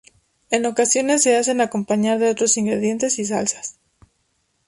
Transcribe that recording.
En ocasiones se hacen acompañar de otros ingredientes y salsas.